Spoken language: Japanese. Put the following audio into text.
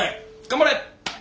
頑張れ。